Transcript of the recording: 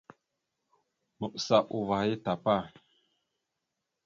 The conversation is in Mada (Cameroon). Maɓəsa uvah ya tapa.